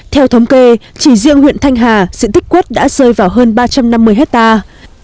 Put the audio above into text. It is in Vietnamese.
theo thống kê chỉ riêng huyện thanh hà diện tích quất đã rơi vào hơn ba trăm năm mươi hectare